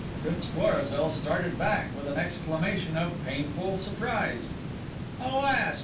Prince Florizel started back with an exclamation of painful surprise. "Alas!"